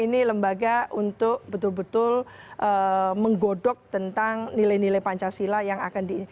ini lembaga untuk betul betul menggodok tentang nilai nilai pancasila yang akan di